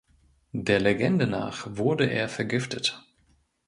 Der Legende nach wurde er vergiftet.